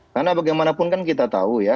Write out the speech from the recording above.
karena bagaimanapun kan kita tahu ya